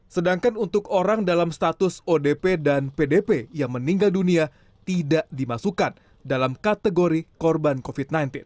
sedangkan untuk orang dalam status odp dan pdp yang meninggal dunia tidak dimasukkan dalam kategori korban covid sembilan belas